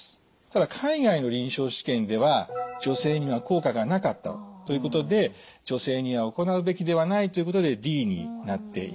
ただ海外の臨床試験では女性には効果がなかったということで女性には行うべきではないということでＤになっています。